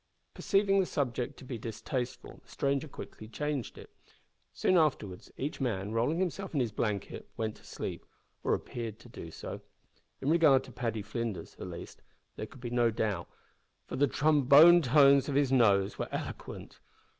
Perceiving the subject to be distasteful, the stranger quickly changed it. Soon afterwards each man, rolling himself in his blanket, went to sleep or appeared to do so. In regard to Paddy Flinders, at least, there could be no doubt, for the trombone tones of his nose were eloquent.